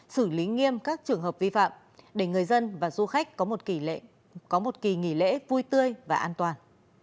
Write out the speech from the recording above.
xử lý nghiêm các trường hợp vi phạm để người dân và du khách có một kỳ nghỉ lễ vui tươi và an toàn